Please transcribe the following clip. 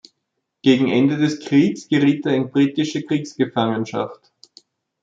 Gegen Ende des Krieges geriet er in britische Kriegsgefangenschaft.